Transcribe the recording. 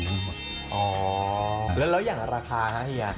อ๋อแล้วอย่างราคาฮะเฮีย